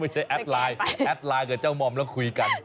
ไม่ใช่แอดไลน์เกิดเจ้ามอมแล้วคุยกัน